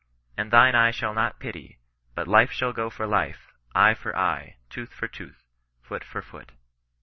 And thine eye shall not pity ; but life shall go for life, eye for eye, tooth for tooth, foot for foot."